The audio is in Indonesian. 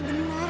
bener ya mak